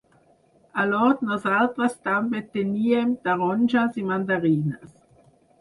A l’hort nosaltres també teníem taronges i mandarines.